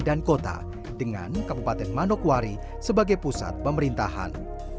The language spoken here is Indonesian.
dan kota dengan kabupaten manokwari sebagai pusat pemerintahan